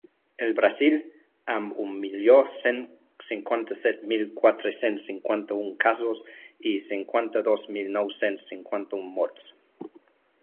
El Brasil, amb un milió cent cinquanta-set mil quatre-cents cinquanta-un casos i cinquanta-dos mil nou-cents cinquanta-un morts.